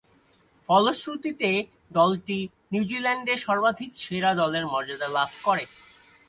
ফলশ্রুতিতে দলটি নিউজিল্যান্ডে সর্বাধিক সেরা দলের মর্যাদা লাভ করে।